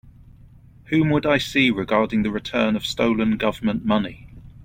Whom would I see regarding the return of stolen Government money?